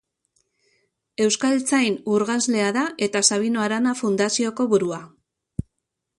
Euskaltzain urgazlea da, eta Sabino Arana Fundazioko burua.